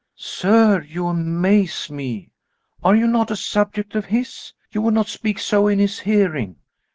"Sir, you amaze me. Are you not a subject of his? You would not speak so in his hearing."